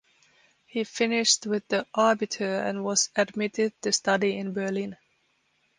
He finished with the Abitur and was admitted to study in Berlin.